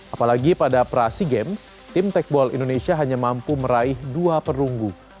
apalagi pada prase games tim techball indonesia hanya mampu meraih dua perunggu